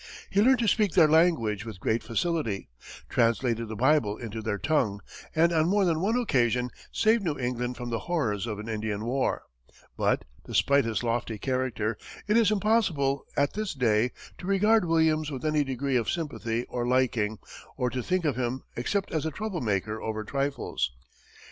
He learned to speak their language with great facility, translated the Bible into their tongue, and on more than one occasion saved New England from the horrors of an Indian war. But, despite his lofty character, it is impossible at this day, to regard Williams with any degree of sympathy or liking, or to think of him except as a trouble maker over trifles.